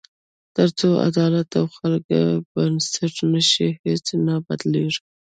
تر څو عدالت او خلک بنسټ نه شي، هیڅ نه بدلېږي.